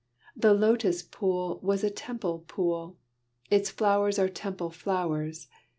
The Lotus pool was a Temple pool; its flowers are Temple flowers.